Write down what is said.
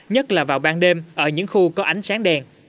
nhất là vào ban đêm ở những khu có ánh sáng đèn